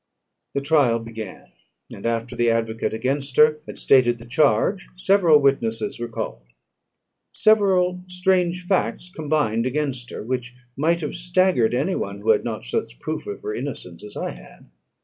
The trial began; and, after the advocate against her had stated the charge, several witnesses were called. Several strange facts combined against her, which might have staggered any one who had not such proof of her innocence as I had.